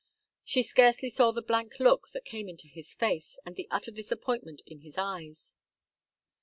She scarcely saw the blank look that came into his face, and the utter disappointment in his eyes.